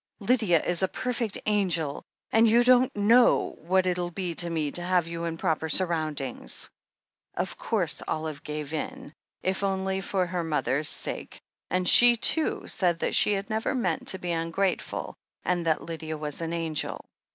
"Lydia is a perfect angel, and you don't know what it'll be to me to have you in proper surroundings." Of course Olive gave in, if only for her mother's 336 THE HEEL OF ACHILLES sake, and she, too, said that she had never meant to be ungrateful and that Lydia was an angel.